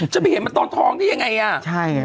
จะไปเห็นมันตอนท้องนี่ยังไงอ่ะ